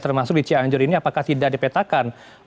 termasuk di cianjur ini apakah tidak dipetakan